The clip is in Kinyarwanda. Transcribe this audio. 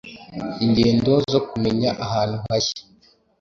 ingendo zo kumenya ahantu hashya.